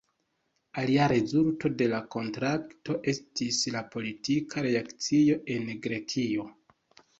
Alia rezulto de la kontrakto estis la politika reakcio en Grekio.